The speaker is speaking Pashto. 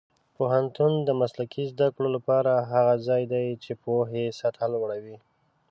پوهنتون د مسلکي زده کړو لپاره هغه ځای دی چې د پوهې سطح لوړوي.